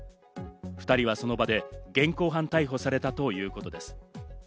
２人はその場で現行犯逮捕されたということです。